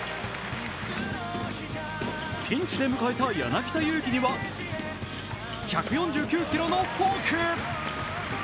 ピンチで迎えた柳田悠岐には１４９キロのフォーク。